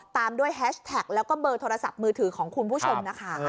ตามด้วยแฮชแท็กแล้วก็เบอร์โทรศัพท์มือถือของคุณผู้ชมนะคะ